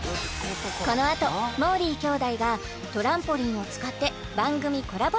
このあともーりー兄弟がトランポリンを使って番組コラボ